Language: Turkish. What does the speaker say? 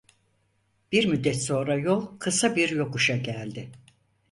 Bir müddet sonra yol kısa bir yokuşa geldi.